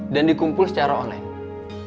dan dikumpul secara online